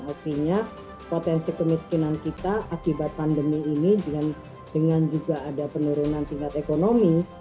artinya potensi kemiskinan kita akibat pandemi ini dengan juga ada penurunan tingkat ekonomi